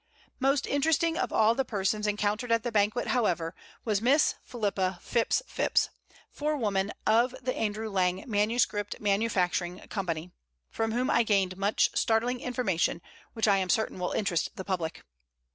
Most interesting of all the persons encountered at the banquet, however, was Miss Philippa Phipps Phipps, forewoman of the Andrew Lang Manuscript Manufacturing Company, from whom I gained much startling information which I am certain will interest the public.